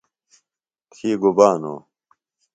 تھی گُبا نو؟